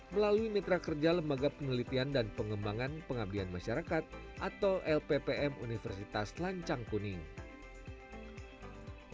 melalui mitra kerja lembaga penelitian dan pengembangan pengabdian masyarakat atau lppm universitas lancang kuning